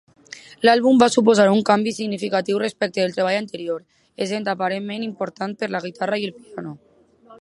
L'àlbum va suposar un canvi significatiu respecte del treball anterior, essent aparentment importat per la guitarra -i el piano.